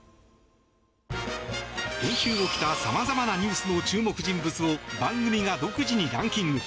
今週起きた様々なニュースの注目人物を番組が独自にランキング。